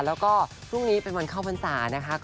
แล้วก็พรุ่งนี้เป็นวันเข้าวันสา